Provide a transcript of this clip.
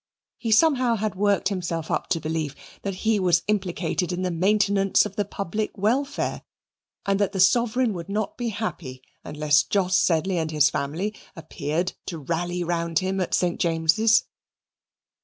He somehow had worked himself up to believe that he was implicated in the maintenance of the public welfare and that the Sovereign would not be happy unless Jos Sedley and his family appeared to rally round him at St. James's.